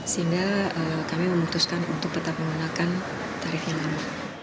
sehingga kami memutuskan untuk tetap menggunakan tarif yang lama